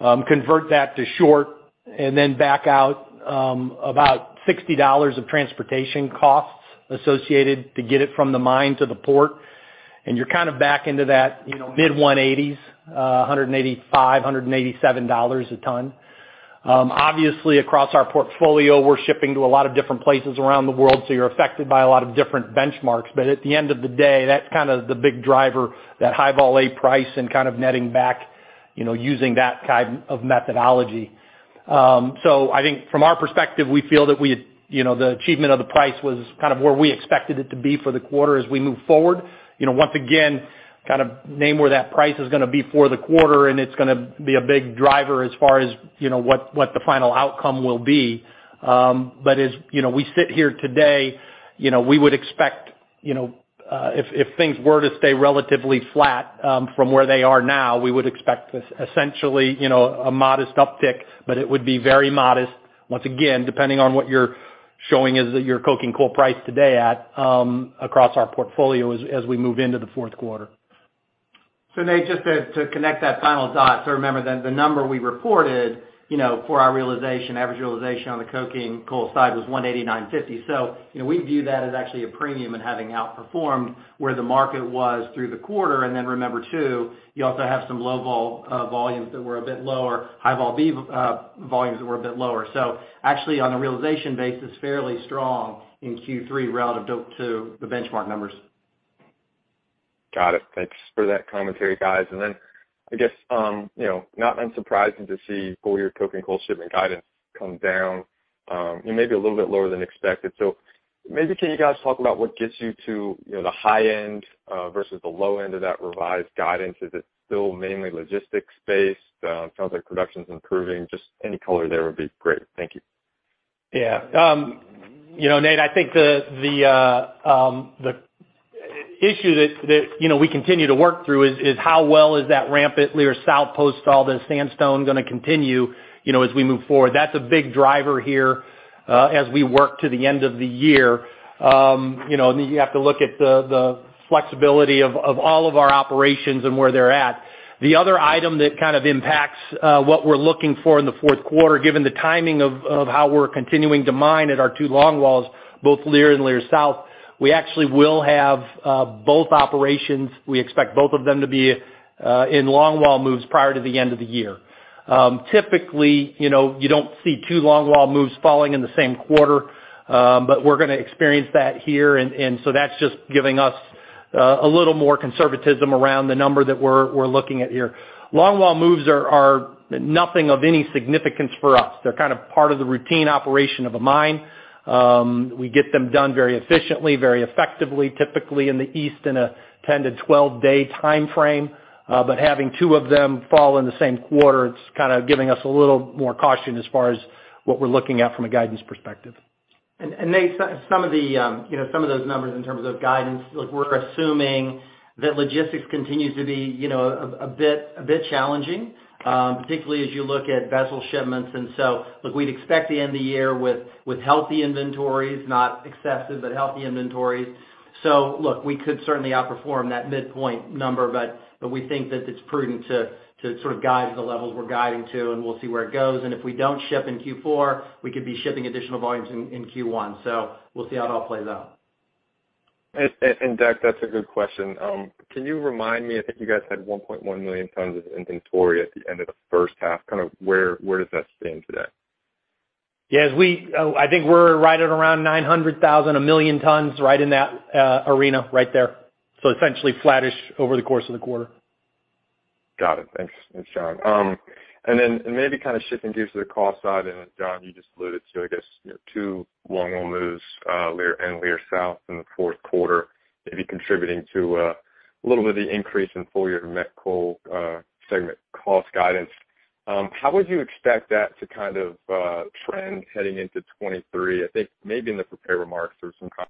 Convert that to short and then back out about $60 of transportation costs associated to get it from the mine to the port. You're kind of back into that, you know, mid-180s, $185-$187 a ton. Obviously, across our portfolio, we're shipping to a lot of different places around the world, so you're affected by a lot of different benchmarks. At the end of the day, that's kind of the big driver, that High-Vol A price and kind of netting back, you know, using that kind of methodology. I think from our perspective, we feel that we, you know, the achievement of the price was kind of where we expected it to be for the quarter as we move forward. You know, once again, kind of nail down where that price is gonna be for the quarter, and it's gonna be a big driver as far as, you know, what the final outcome will be. As you know, we sit here today, you know, we would expect, you know, if things were to stay relatively flat from where they are now, we would expect essentially, you know, a modest uptick, but it would be very modest. Once again, depending on what you're showing as your coking coal price today across our portfolio as we move into the fourth quarter. Nate, just to connect that final dot. Remember then the number we reported, you know, for our realization, average realization on the coking coal side was $189.50. You know, we view that as actually a premium and having outperformed where the market was through the quarter. Remember too, you also have some low vol volumes that were a bit lower, high vol volumes that were a bit lower. Actually on a realization basis, fairly strong in Q3 relative to the benchmark numbers. Got it. Thanks for that commentary, guys. I guess, you know, not unsurprising to see full year coking coal shipment guidance come down, and maybe a little bit lower than expected. Maybe can you guys talk about what gets you to, you know, the high end, versus the low end of that revised guidance? Is it still mainly logistics based? It sounds like production's improving. Just any color there would be great. Thank you. Yeah. You know, Nate, I think the issue that you know, we continue to work through is how well is that ramp at Leer South post all the sandstone gonna continue, you know, as we move forward. That's a big driver here, as we work to the end of the year. You know, you have to look at the flexibility of all of our operations and where they're at. The other item that kind of impacts what we're looking for in the fourth quarter, given the timing of how we're continuing to mine at our two longwalls, both Leer and Leer South, we actually will have both operations. We expect both of them to be in longwall moves prior to the end of the year. Typically, you know, you don't see two longwall moves falling in the same quarter. We're gonna experience that here. That's just giving us a little more conservatism around the number that we're looking at here. Longwall moves are nothing of any significance for us. They're kind of part of the routine operation of a mine. We get them done very efficiently, very effectively, typically in the east in a 10-12-day timeframe. Having two of them fall in the same quarter, it's kinda giving us a little more caution as far as what we're looking at from a guidance perspective. Nate, some of the, you know, some of those numbers in terms of guidance. Look, we're assuming that logistics continues to be, you know, a bit challenging, particularly as you look at vessel shipments. Look, we'd expect the end of the year with healthy inventories, not excessive, but healthy inventories. Look, we could certainly outperform that midpoint number, but we think that it's prudent to sort of guide to the levels we're guiding to, and we'll see where it goes. If we don't ship in Q4, we could be shipping additional volumes in Q1. We'll see how it all plays out. Deck Slone, that's a good question. Can you remind me? I think you guys had 1.1 million tons of inventory at the end of the first half. Kind of, where does that stand today? Yes, I think we're right at around 900,000, 1 million tons, right in that arena right there. Essentially flattish over the course of the quarter. Got it. Thanks. Thanks, John. Maybe kinda shifting gears to the cost side, and John, you just alluded to, I guess, you know, two longwall moves, Leer and Leer South in the fourth quarter, maybe contributing to a little bit of the increase in full year met coal segment cost guidance. How would you expect that to kind of trend heading into 2023? I think maybe in the prepared remarks there was around that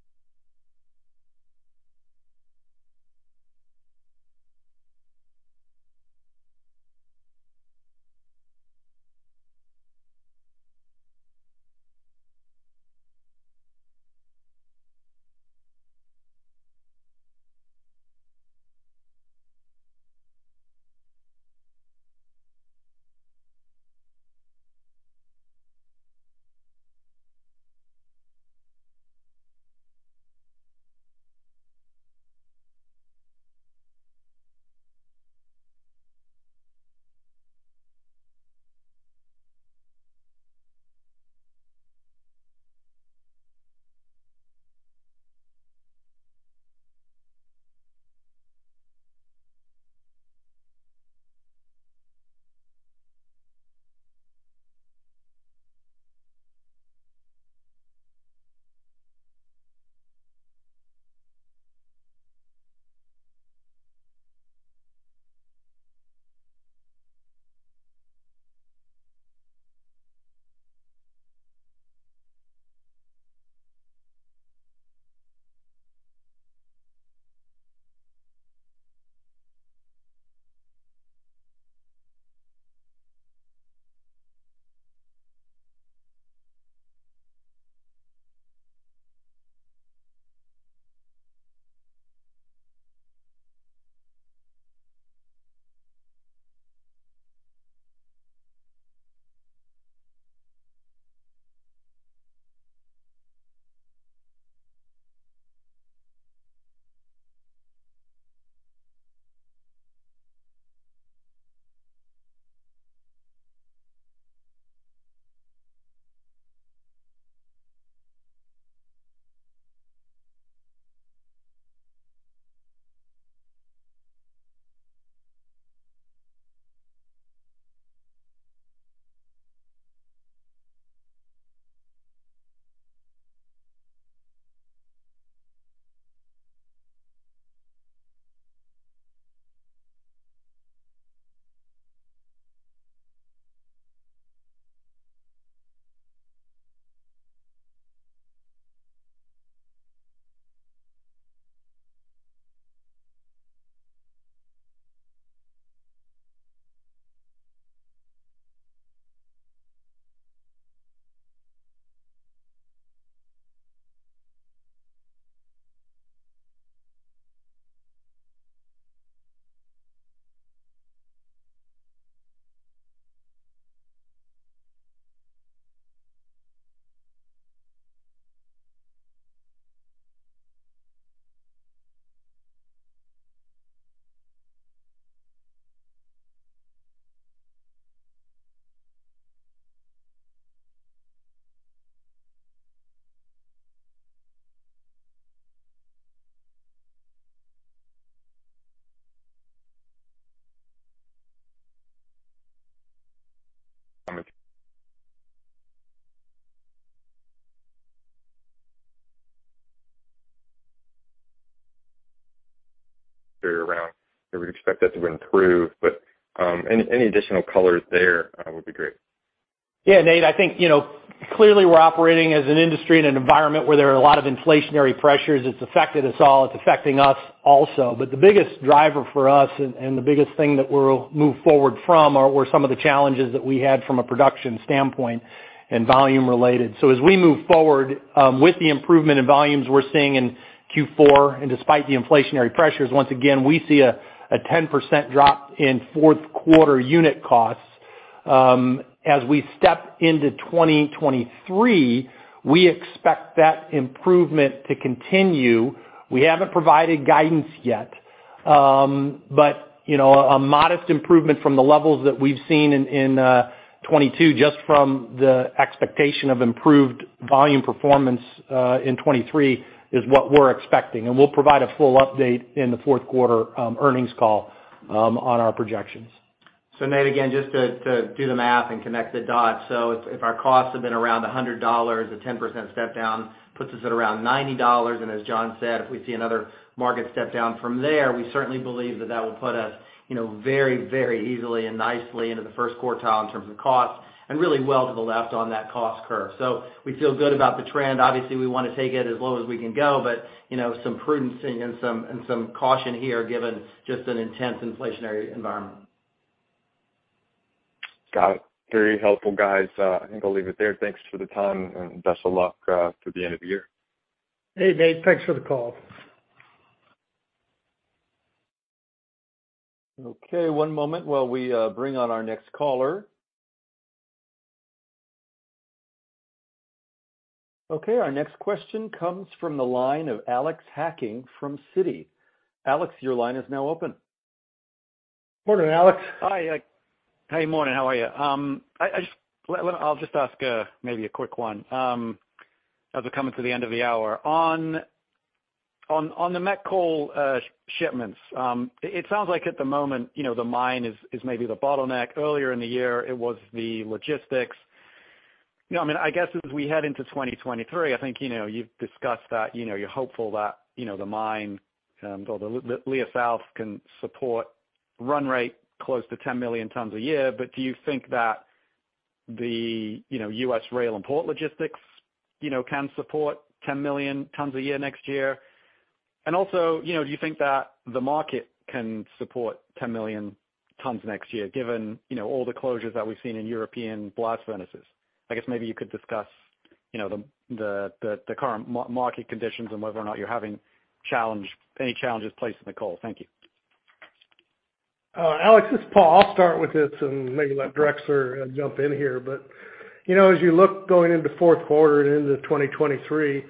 we expect that to run through. Any additional color there would be great. Yeah, Nate, I think, you know, clearly we're operating as an industry in an environment where there are a lot of inflationary pressures. It's affected us all. It's affecting us also. The biggest driver for us and the biggest thing that we'll move forward from were some of the challenges that we had from a production standpoint and volume-related. As we move forward, with the improvement in volumes we're seeing in Q4, and despite the inflationary pressures, once again, we see a 10% drop in fourth quarter unit costs. As we step into 2023, we expect that improvement to continue. We haven't provided guidance yet. You know, a modest improvement from the levels that we've seen in 2022 just from the expectation of improved volume performance in 2023 is what we're expecting. We'll provide a full update in the fourth quarter earnings call on our projections. Nate, again, just to do the math and connect the dots. If our costs have been around $100, a 10% step down puts us at around $90. As John said, if we see another market step down from there, we certainly believe that will put us, you know, very, very easily and nicely into the first quartile in terms of cost and really well to the left on that cost curve. We feel good about the trend. Obviously, we wanna take it as low as we can go, but, you know, some prudence and some caution here given just an intense inflationary environment. Got it. Very helpful, guys. I think I'll leave it there. Thanks for the time and best of luck through the end of the year. Hey, Nate, thanks for the call. Okay, one moment while we bring on our next caller. Okay, our next question comes from the line of Alex Hacking from Citi. Alex, your line is now open. Morning, Alex. Hi. Hey, morning, how are you? I'll just ask maybe a quick one as we're coming to the end of the hour. On the met coal shipments, it sounds like at the moment, you know, the mine is maybe the bottleneck. Earlier in the year, it was the logistics. You know, I mean, I guess as we head into 2023, I think, you know, you've discussed that, you know, you're hopeful that, you know, the mine or the Leer South can support run rate close to 10 million tons a year. Do you think that the, you know, U.S. rail and port logistics, you know, can support 10 million tons a year next year? Also, you know, do you think that the market can support 10 million tons next year, given, you know, all the closures that we've seen in European blast furnaces? I guess maybe you could discuss, you know, the current market conditions and whether or not you're having any challenges placing the coal. Thank you. Alex, this is Paul. I'll start with this and maybe let Drexler jump in here. You know, as you look going into fourth quarter and into 2023,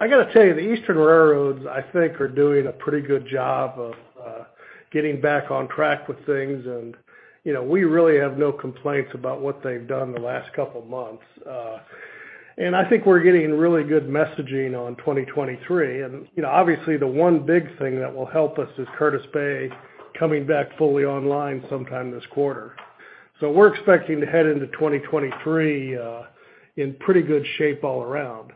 I gotta tell you, the eastern railroads I think are doing a pretty good job of getting back on track with things. You know, we really have no complaints about what they've done the last couple months. I think we're getting really good messaging on 2023. You know, obviously the one big thing that will help us is Curtis Bay coming back fully online sometime this quarter. We're expecting to head into 2023 in pretty good shape all around.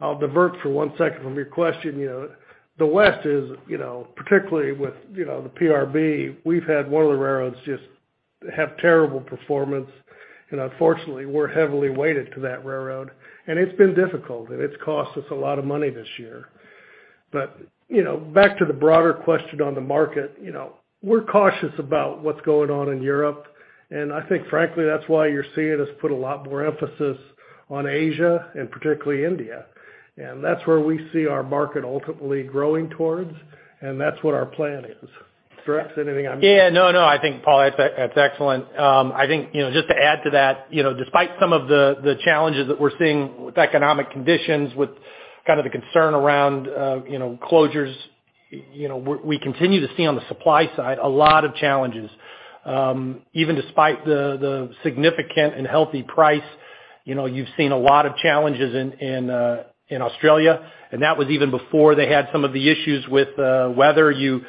I'll divert for 1 second from your question. You know, the West is, you know, particularly with, you know, the PRB, we've had one of the railroads just have terrible performance. Unfortunately, we're heavily weighted to that railroad. It's been difficult, and it's cost us a lot of money this year. You know, back to the broader question on the market, you know, we're cautious about what's going on in Europe. I think frankly, that's why you're seeing us put a lot more emphasis on Asia and particularly India. That's where we see our market ultimately growing towards, and that's what our plan is. John Drexler, anything? Yeah, no. I think, Paul, that's excellent. I think, you know, just to add to that, you know, despite some of the challenges that we're seeing with economic conditions, with kind of the concern around, you know, closures, you know, we continue to see on the supply side a lot of challenges. Even despite the significant and healthy price, you know, you've seen a lot of challenges in Australia, and that was even before they had some of the issues with weather. You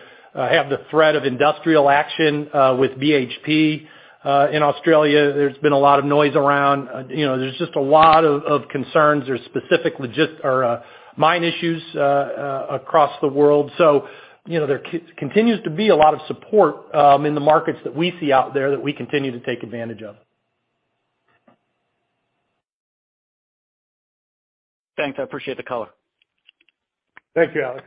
have the threat of industrial action with BHP. In Australia, there's been a lot of noise around. You know, there's just a lot of concerns. There's specific mine issues across the world. So, you know, there continues to be a lot of support in the markets that we see out there that we continue to take advantage of. Thanks. I appreciate the color. Thank you, Alex.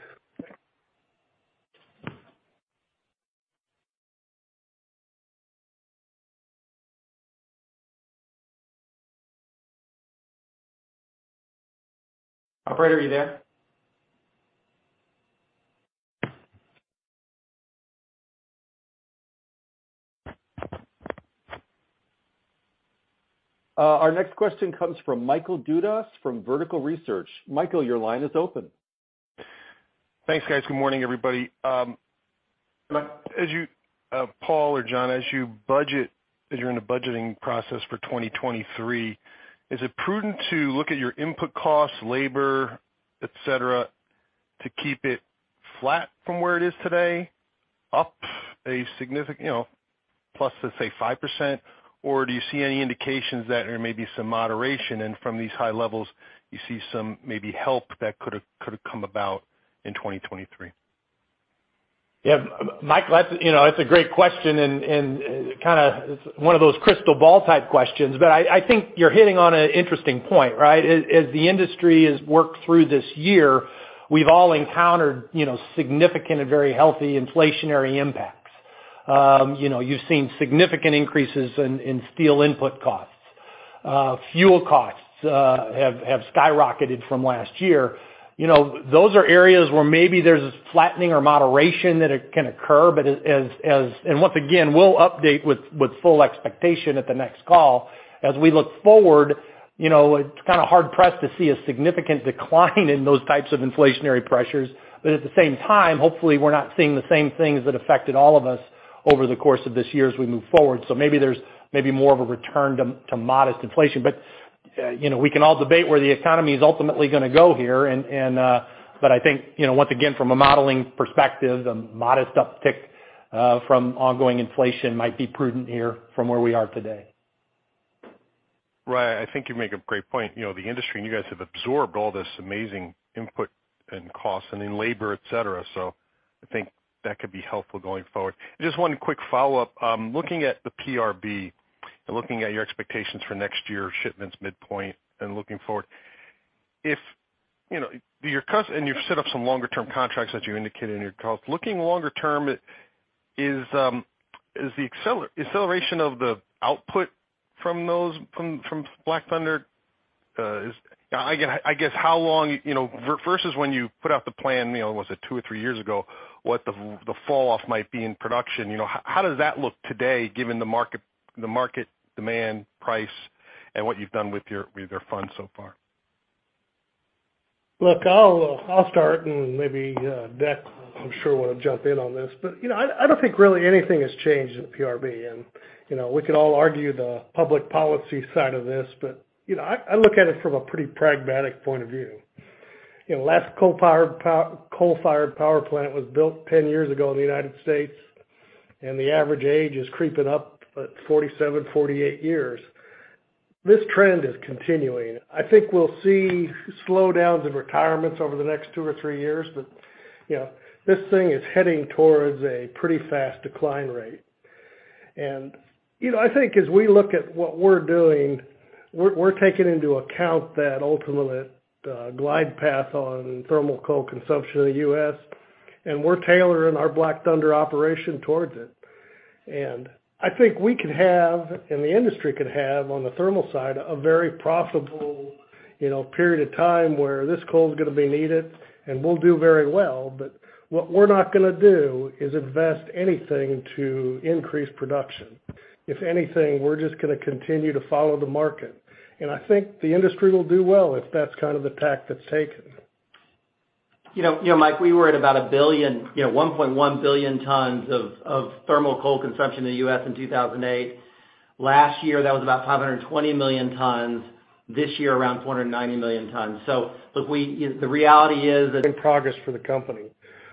Operator, are you there? Our next question comes from Michael Dudas from Vertical Research. Michael, your line is open. Thanks, guys. Good morning, everybody. Paul or John, as you budget, as you're in the budgeting process for 2023, is it prudent to look at your input costs, labor, et cetera, to keep it flat from where it is today, up a significant, you know, plus, let's say, 5%? Or do you see any indications that there may be some moderation, and from these high levels, you see some maybe help that could have come about in 2023? Yeah. Michael, that's, you know, that's a great question and kinda one of those crystal ball type questions. I think you're hitting on an interesting point, right? As the industry has worked through this year, we've all encountered, you know, significant and very healthy inflationary impacts. You know, you've seen significant increases in steel input costs. Fuel costs have skyrocketed from last year. You know, those are areas where maybe there's a flattening or moderation that it can occur. Once again, we'll update with full expectation at the next call. As we look forward, you know, it's kinda hard pressed to see a significant decline in those types of inflationary pressures. At the same time, hopefully, we're not seeing the same things that affected all of us over the course of this year as we move forward. Maybe there's more of a return to modest inflation. You know, we can all debate where the economy is ultimately gonna go here and but I think, you know, once again, from a modeling perspective, a modest uptick from ongoing inflation might be prudent here from where we are today. Right. I think you make a great point. You know, the industry and you guys have absorbed all this amazing input and costs and in labor, et cetera. I think that could be helpful going forward. Just one quick follow-up. Looking at the PRB and looking at your expectations for next year shipments midpoint and looking forward, if you know and you've set up some longer term contracts that you indicated in your calls. Looking longer term, is the acceleration of the output from those from Black Thunder, I guess how long, you know, versus when you put out the plan, you know, was it two or three years ago, what the fall off might be in production? You know, how does that look today given the market, the market demand price and what you've done with their funds so far? Look, I'll start and maybe Deck, I'm sure wanna jump in on this. You know, I don't think really anything has changed in the PRB. We can all argue the public policy side of this, but you know, I look at it from a pretty pragmatic point of view. You know, last coal-fired power plant was built 10 years ago in the United States, and the average age is creeping up at 47years, 48 years. This trend is continuing. I think we'll see slowdowns and retirements over the next two years or three years, but you know, this thing is heading towards a pretty fast decline rate. You know, I think as we look at what we're doing, we're taking into account that ultimately the glide path on thermal coal consumption in the U.S., and we're tailoring our Black Thunder operation towards it. I think we could have, and the industry could have, on the thermal side, a very profitable, you know, period of time where this coal is gonna be needed, and we'll do very well. What we're not gonna do is invest anything to increase production. If anything, we're just gonna continue to follow the market. I think the industry will do well if that's kind of the tack that's taken. You know, Mike, we were at about 1 billion, you know, 1.1 billion tons of thermal coal consumption in the U.S. in 2008. Last year, that was about 520 million tons. This year, around 490 million tons. Look, we, the reality is that- In progress for the company.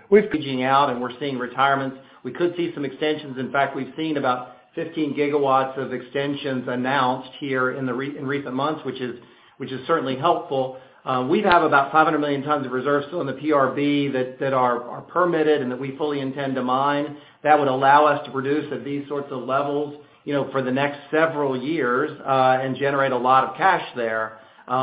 We're aging out, and we're seeing retirements. We could see some extensions. In fact, we've seen about 15 gigawatts of extensions announced here in recent months, which is certainly helpful. We have about 500 million tons of reserves still in the PRB that are permitted and that we fully intend to mine. That would allow us to produce at these sorts of levels, you know, for the next several years, and generate a lot of cash there. You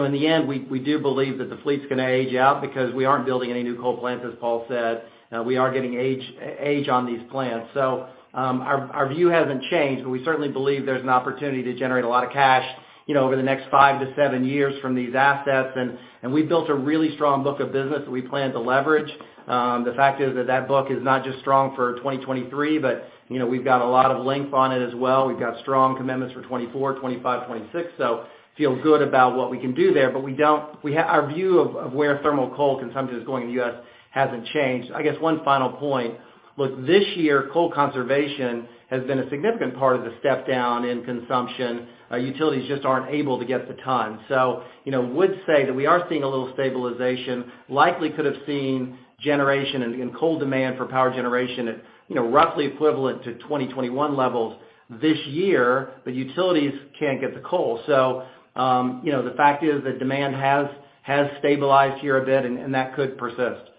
know, in the end, we do believe that the fleet's gonna age out because we aren't building any new coal plants, as Paul said. We are getting age on these plants. Our view hasn't changed, but we certainly believe there's an opportunity to generate a lot of cash, you know, over the next five years-seven years from these assets. We've built a really strong book of business that we plan to leverage. The fact is that book is not just strong for 2023, but, you know, we've got a lot of length on it as well. We've got strong commitments for 2024, 2025, 2026. We feel good about what we can do there, but our view of where thermal coal consumption is going in the U.S. hasn't changed. I guess one final point. Look, this year, coal conservation has been a significant part of the step down in consumption. Utilities just aren't able to get the ton. You know, would say that we are seeing a little stabilization, likely could have seen generation and coal demand for power generation at, you know, roughly equivalent to 2021 levels this year, but utilities can't get the coal. You know, the fact is that demand has stabilized here a bit, and that could persist.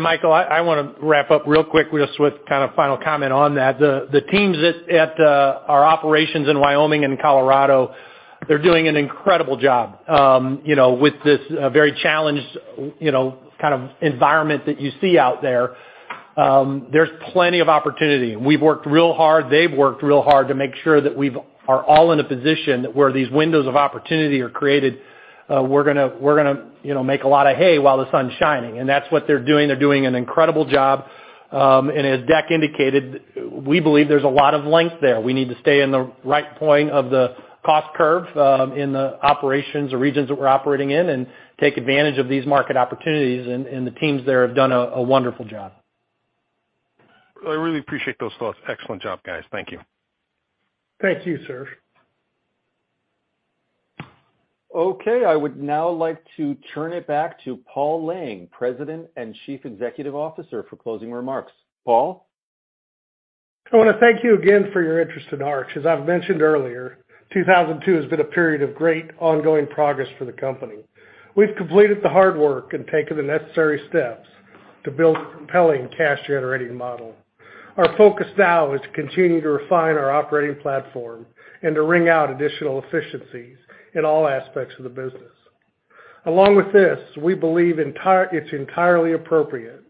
Michael, I wanna wrap up real quick with a swift kind of final comment on that. The teams at our operations in Wyoming and Colorado, they're doing an incredible job, you know, with this very challenged, you know, kind of environment that you see out there. There's plenty of opportunity. We've worked real hard, they've worked real hard to make sure that we are all in a position where these windows of opportunity are created. We're gonna, you know, make a lot of hay while the sun's shining. That's what they're doing. They're doing an incredible job. As Deck indicated, we believe there's a lot of length there. We need to stay in the right point of the cost curve, in the operations or regions that we're operating in and take advantage of these market opportunities. The teams there have done a wonderful job. I really appreciate those thoughts. Excellent job, guys. Thank you. Thank you, sir. Okay. I would now like to turn it back to Paul Lang, President and Chief Executive Officer for closing remarks. Paul? I wanna thank you again for your interest in Arch. As I've mentioned earlier, 2002 has been a period of great ongoing progress for the company. We've completed the hard work and taken the necessary steps to build a compelling cash generating model. Our focus now is to continue to refine our operating platform and to wring out additional efficiencies in all aspects of the business. Along with this, we believe it's entirely appropriate,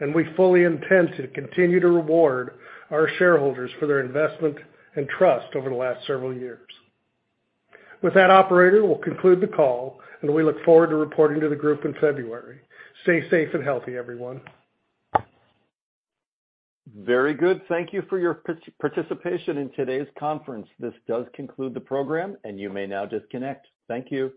and we fully intend to continue to reward our shareholders for their investment and trust over the last several years. With that, operator, we'll conclude the call, and we look forward to reporting to the group in February. Stay safe and healthy, everyone. Very good. Thank you for your participation in today's conference. This does conclude the program, and you may now disconnect. Thank you.